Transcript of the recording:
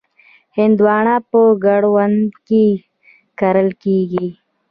هندوانه په کرونده کې کرل کېږي.